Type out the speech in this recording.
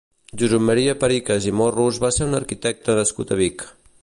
Josep Maria Pericas i Morros va ser un arquitecte nascut a Vic.